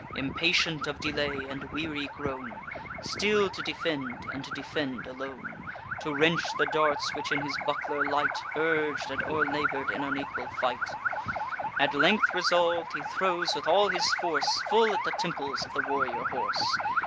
Impatient of delay, and weary grown, Still to defend, and to defend alone, To wrench the darts which in his buckler light, Urg'd and o'er labour'd in unequal fight; At length resolv'd, he throws with all his force Full at the temples of the warrior horse.